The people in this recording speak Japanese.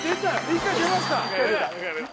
１回でました